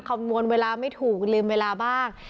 คำนวณเวลาไม่ถูกลืมเวลาบ้าง